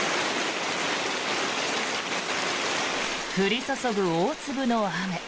降り注ぐ大粒の雨。